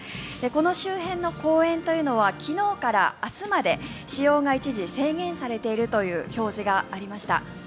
この周辺の公園というのは昨日から明日まで使用が一時、制限されているという表示がありました。